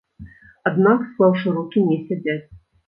Аднак, склаўшы рукі не сядзяць.